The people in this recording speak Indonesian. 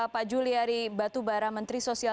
pak juliari batubara menteri sosial